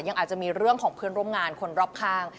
อาจจะมีเรื่องของเพื่อนร่วมงานคนรอบข้าง